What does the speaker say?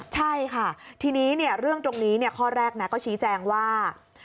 ใช่ค่ะทีนี้เรื่องตรงนี้ข้อแรกก็ชี้แจงว่า